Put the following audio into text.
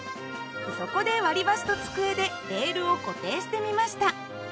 そこで割り箸と机でレールを固定してみました。